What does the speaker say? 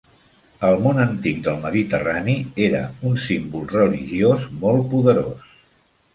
Al món antic del Mediterrani era un símbol religiós molt poderós.